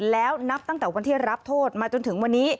แล้วนับตั้งแต่วันที่รับโทษมาจนถึงวันนี้